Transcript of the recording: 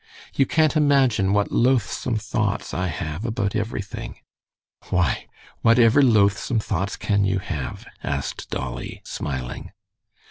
You can't imagine what loathsome thoughts I have about everything." "Why, whatever loathsome thoughts can you have?" asked Dolly, smiling.